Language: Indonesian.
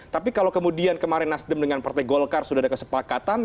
tapi kalau kemudian kemarin nasdem dengan partai golkar sudah ada kesepakatan